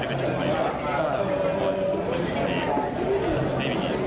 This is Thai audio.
ครั้งที่๒โดน